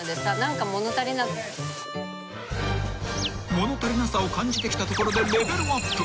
［物足りなさを感じてきたところでレベルアップ］